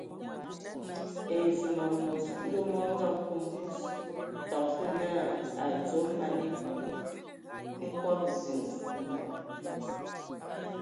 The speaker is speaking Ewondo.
Ai zum amos Ndɔ mɔngɔ a aku mvug, təga fəg naa a dzo man ebug nkɔbɔ ziŋ mbəŋ.